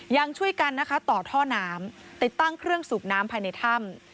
ยังช่วยกันนะคะต่อท่อน้ำติดตั้งเครื่องสูบน้ำภายในถ้ำ